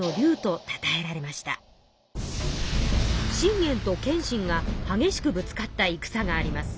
信玄と謙信がはげしくぶつかった戦があります。